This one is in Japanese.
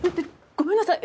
ごめんなさい！